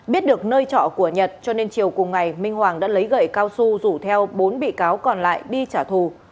biết được nơi trọ của nhật cho nên chiều cùng ngày minh hoàng đã lấy gậy cao su rủ theo bốn bị cáo còn lại đi trả thù